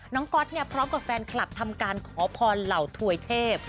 ก๊อตเนี่ยพร้อมกับแฟนคลับทำการขอพรเหล่าถวยเทพ